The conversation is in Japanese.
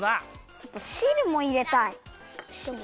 ちょっとしるもいれたい！